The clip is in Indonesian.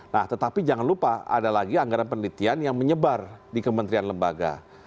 nah tetapi jangan lupa ada lagi anggaran penelitian yang menyebar di kementerian lembaga